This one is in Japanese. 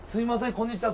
こんにちは。